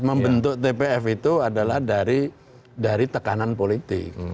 membentuk tpf itu adalah dari tekanan politik